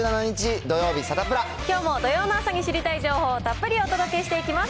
きょうも土曜の朝に知りたい情報を、たっぷりお届けしていきます。